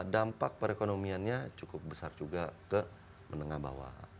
dampak perekonomiannya cukup besar juga ke menengah bawah